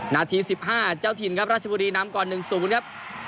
นาที๑๕เจ้าถิ่นครับราชบุรีนำก่อน๑๐ครับ